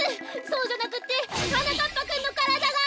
そうじゃなくって！はなかっぱくんのからだが！